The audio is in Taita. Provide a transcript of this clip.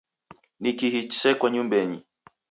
Ni kihi chiseko nyumbenyi?